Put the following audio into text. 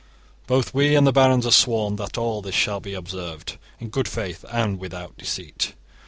Both we and the barons have sworn that all this shall be observed in good faith and without deceit.